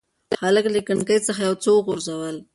هلک له کړکۍ څخه یو څه وغورځول.